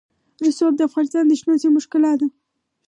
رسوب د افغانستان د شنو سیمو ښکلا ده.